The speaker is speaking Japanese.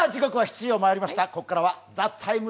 ここからは「ＴＨＥＴＩＭＥ，」